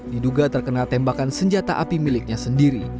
diduga terkena tembakan senjata api miliknya sendiri